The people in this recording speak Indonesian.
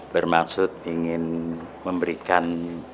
bermaksud ingin memberikan